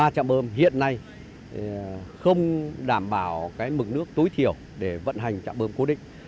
ba trạm bơm hiện nay không đảm bảo mực nước tối thiểu để vận hành trạm bơm cố định